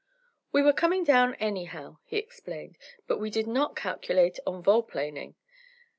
"We were coming down anyhow," he explained, "but we did not calculate on vol planing.